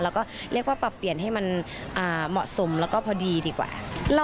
แล้วก็เรียกว่าปรับเปลี่ยนให้มันเหมาะสมแล้วก็พอดีดีกว่า